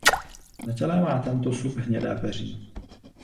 Na těle má tento sup hnědé peří.